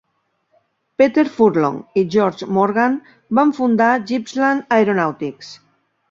Peter Furlong i George Morgan van fundar Gippsland Aeronautics.